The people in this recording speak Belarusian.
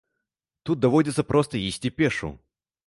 Тут даводзіцца проста ісці пешшу.